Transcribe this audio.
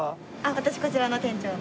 私こちらの店長の。